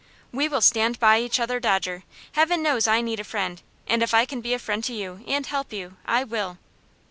"We will stand by each other, Dodger. Heaven knows I need a friend, and if I can be a friend to you, and help you, I will."